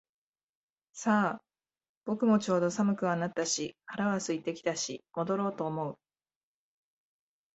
さあ、僕もちょうど寒くはなったし腹は空いてきたし戻ろうと思う